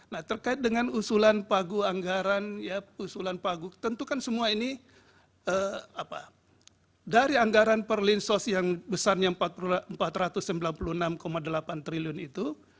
nah terkait dengan usulan pagu anggaran ya usulan pagu tentu kan semua ini dari anggaran perlinsos yang besarnya rp empat ratus sembilan puluh enam delapan triliun itu